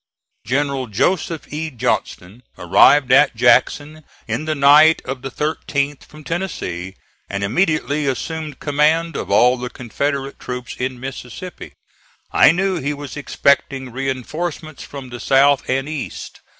General Joseph E. Johnston arrived at Jackson in the night of the 13th from Tennessee, and immediately assumed command of all the Confederate troops in Mississippi. I knew he was expecting reinforcements from the south and east.